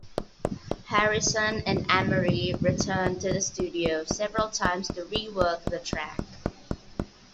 Harrison and Amerie returned to the studio several times to rework the track.